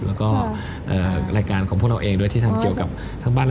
แล้วก็รายการของพวกเราเองด้วยที่ทำเกี่ยวกับทั้งบ้าน